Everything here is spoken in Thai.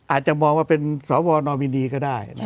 อาจจะมองว่าเป็นสวนอมินีก็ได้